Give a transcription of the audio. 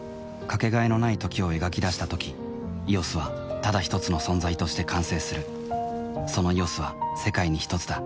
かけがえのない「時」を描き出したとき「ＥＯＳ」はただひとつの存在として完成するその「ＥＯＳ」は世界にひとつだ